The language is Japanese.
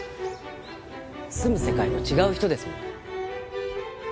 住む世界の違う人ですもの。